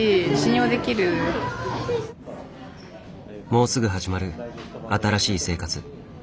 もうすぐ始まる新しい生活。